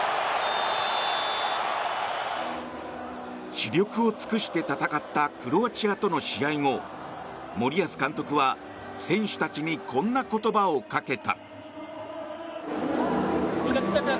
死力を尽くして戦ったクロアチアとの試合後森保監督は選手たちにこんな言葉をかけた。